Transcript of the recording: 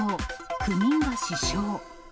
９人が死傷。